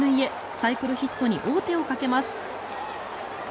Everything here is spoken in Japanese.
サイクルヒットに王手をかけます。